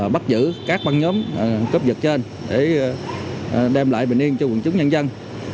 bắt giữ các băng nhóm cấp dựt trên để đem lại bình yên cho quần chúng nhân dân